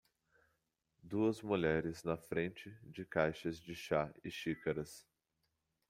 Duas mulheres na frente de caixas de chá e xícaras.